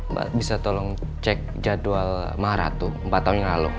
mbak bisa tolong cek jadwal marath empat tahun yang lalu